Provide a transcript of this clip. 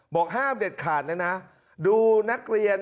บอกห้ามเด็ดขาดนะนะ